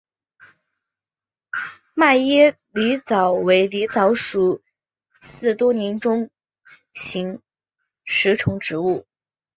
迈耶狸藻为狸藻属似多年中型食虫植物。